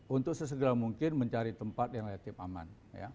untuk sesegera mungkin mencari tempat yang relatif aman